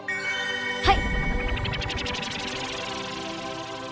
はい。